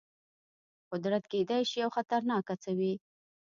قدرت کېدای شي یو خطرناک څه وي.